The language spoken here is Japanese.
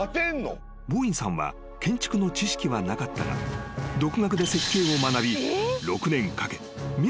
［ボーインさんは建築の知識はなかったが独学で設計を学び］